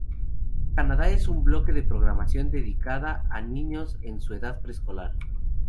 Canadá es un bloque de programación dedicada a niños en edad preescolar.